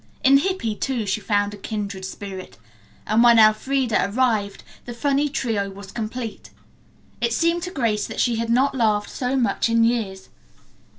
In Hippy, too, she found a kindred spirit, and when Elfreda arrived the funny trio was complete. It seemed to Grace that she had not laughed so much in years.